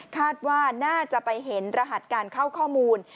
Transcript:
คาดว่าน่าจะไปเห็นรหัสการเข้าข้อมูล